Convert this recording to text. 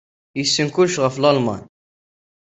Yessen kullec ɣef Lalman.